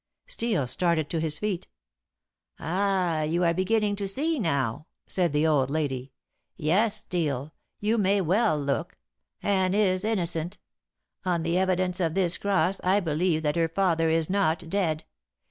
Steel started to his feet. "Ah, you are beginning to see now!" said the old lady. "Yes, Steel, you may well look. Anne is innocent. On the evidence of this cross I believe that her father is not dead.